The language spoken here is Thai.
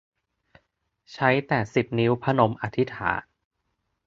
ใช้แต่สิบนิ้วพนมอธิษฐาน